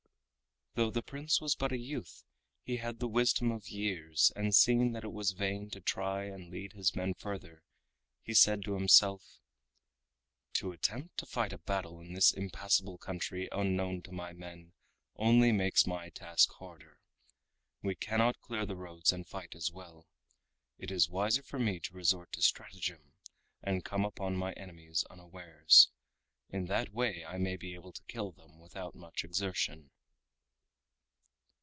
Though the Prince was but a youth he had the wisdom of years, and, seeing that it was vain to try and lead his men further, he said to himself: "To attempt to fight a battle in this impassable country unknown to my men only makes my task harder. We cannot clear the roads and fight as well. It is wiser for me to resort to stratagem and come upon my enemies unawares. In that way I may be able to kill them without much exertion."